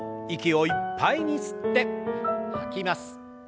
息をいっぱいに吸って吐きます。